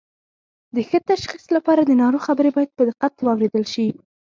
د ښه تشخیص لپاره د ناروغ خبرې باید په دقت واوریدل شي